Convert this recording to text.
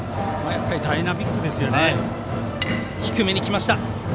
やっぱりダイナミックですよね。